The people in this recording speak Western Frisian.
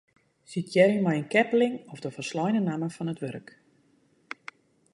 Sitearje mei in keppeling of de folsleine namme fan it wurk.